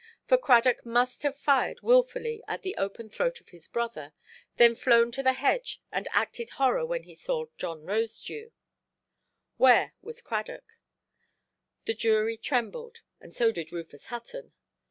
For Cradock must have fired wilfully at the open throat of his brother, then flown to the hedge and acted horror when he saw John Rosedew. Where was Cradock? The jury trembled, and so did Rufus Hutton.